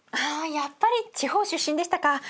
やっぱり地方出身でしたか。